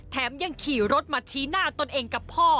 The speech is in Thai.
ยังขี่รถมาชี้หน้าตนเองกับพ่อ